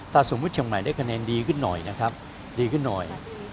ถ้าสมมุติเชียงใหม่ได้คะแนนดีขึ้นหน่อยนะครับดีขึ้นหน่อย